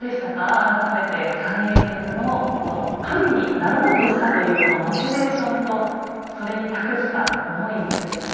改めて三英傑のこの神になろうとしたというこのモチベーションとそれに託した思いに触れて。